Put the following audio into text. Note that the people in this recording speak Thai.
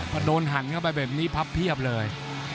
พอโดนหันเข้าไปแบบนี้พับเพียบเลย